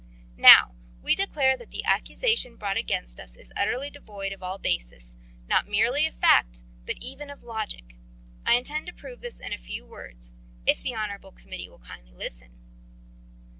Now, we declare that the accusation brought against us is utterly devoid of all basis, not merely of fact but even of logic. I intend to prove this in a few words if the honourable committee will kindly listen."